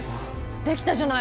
できたじゃない！